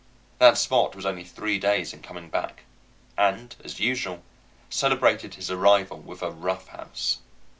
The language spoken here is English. That Spot was only three days in coming back, and, as usual, celebrated his arrival with a rough house.